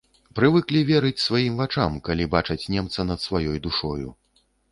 Прывыклі верыць сваім вачам, калі бачаць немца над сваёй душою.